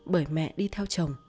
bởi mẹ đi theo chồng